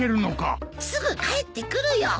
すぐ帰ってくるよ！